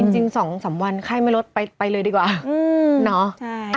จริง๒๓วันไข้ไม่รถไปเลยดีกว่าเนอะ